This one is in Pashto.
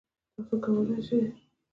تاسو کولی شئ